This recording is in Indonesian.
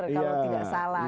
kalau tidak salah